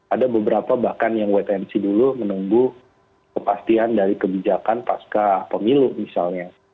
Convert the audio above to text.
ada beberapa bahkan yang wtnc dulu menunggu kepastian dari kebijakan pasca pemilu misalnya